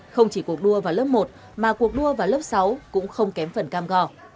không chỉ cuộc đua vào lớp một mà cuộc đua vào lớp sáu cũng không kém phần cam go